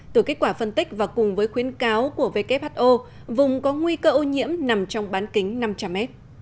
từ kết quả phân tích và cùng với khuyến cáo của who vùng có nguy cơ ô nhiễm nằm trong bán kính năm trăm linh m